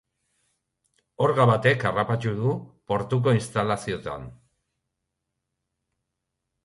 Orga batek harrapatu du portuko instalazioetan.